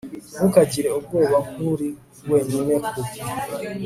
ntukagire ubwoba nk'uri wenyine ku